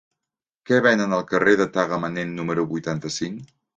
Què venen al carrer de Tagamanent número vuitanta-cinc?